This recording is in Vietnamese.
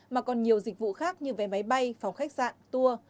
mà còn nhiều dịch vụ khác như vé máy bay phòng khách sạn tour